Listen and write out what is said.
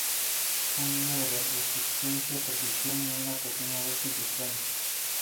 Un número de resistencia, precisión y una pequeña dosis de frenesí.